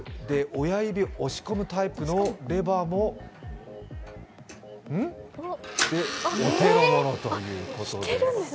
親指押し込むタイプのレバーもお手のものということで。